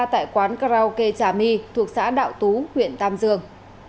tại quán karaoke trà my thuộc xã đạo tú huyện tam dương